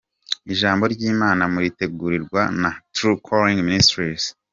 Ijambo ry’Imana muritegurirwa na True Calling Ministries.